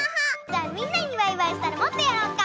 じゃあみんなにバイバイしたらもっとやろうか。